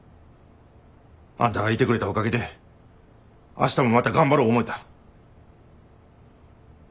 あんたがいてくれたおかげで明日もまた頑張ろ思えた。